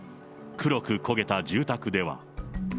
黒く焦げた住宅では。